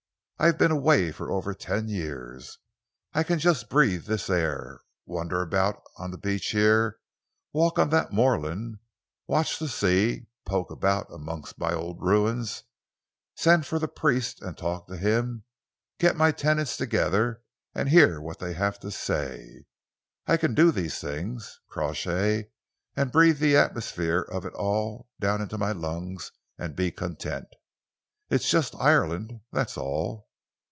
"I've been away for over ten years. I can just breathe this air, wander about on the beach here, walk on that moorland, watch the sea, poke about amongst my old ruins, send for the priest and talk to him, get my tenants together and hear what they have to say I can do these things, Crawshay, and breathe the atmosphere of it all down into my lungs and be content. It's just Ireland that's all.